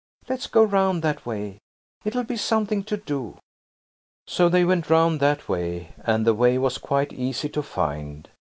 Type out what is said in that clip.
Let's go round that way. It'll be something to do." So they went round that way, and the way was quite easy to find.